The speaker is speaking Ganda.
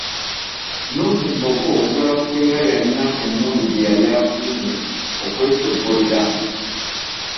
Nuhu Mbogo Kyabasinga yalina emmundu gyeyali atuumye Kwesoggolera.